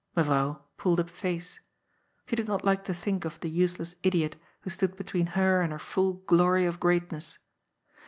Mevrouw pulled a face. She did not like to think of the useless idiot who stood between her and her full glory of greatness.